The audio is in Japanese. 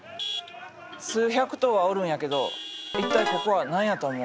数百頭はおるんやけど一体ここは何やと思う？